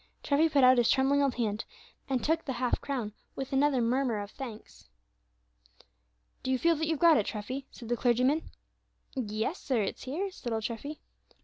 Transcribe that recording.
Treffy put out his trembling old hand, and took the half crown, with another murmur of thanks. "Do you feel that you've got it, Treffy?" said the clergyman. "Yes, sir, it's here," said old Treffy.